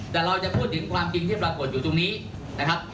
แต่เราจะพูดถึงความจริงที่ปรากฏอยู่ตรงนี้นะครับ